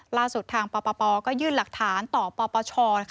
ล่าสุดทางปปก็ยื่นหลักฐานต่อปปช